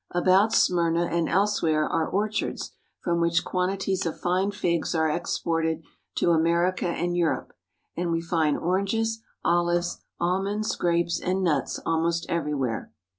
About Smyrna and elsewhere are orchards from which quantities of fine figs are exported to America and Europe, and we find oranges, olives, al monds, grapes, and nuts almost everywhere.